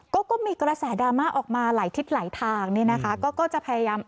ก็ก็มีกระแสดราม่าออกมาหลายทิศหลายทางเนี่ยนะคะก็ก็จะพยายาม